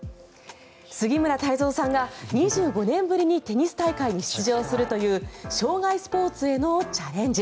杉村太蔵さんが２５年ぶりにテニス大会に出場するという生涯スポーツへのチャレンジ。